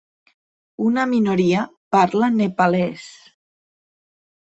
Una minoria parla nepalès.